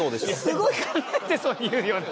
すごい考えてそうに言うよね。